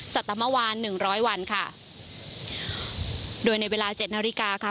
สัตมวานหนึ่งร้อยวันค่ะโดยในเวลาเจ็ดนาฬิกาค่ะ